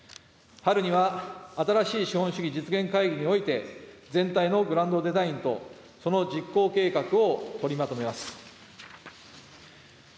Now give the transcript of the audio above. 春には新しい資本主義実現会議において、全体のグランドデザインと、その実行計画を取りまとめます。